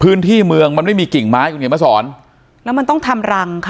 พื้นที่เมืองมันไม่มีกิ่งไม้คุณเขียนมาสอนแล้วมันต้องทำรังค่ะ